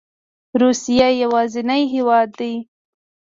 روسیه یوازینی هیواد دی